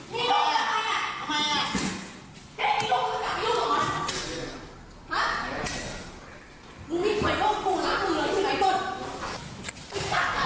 มีลูกอะไรอ่ะ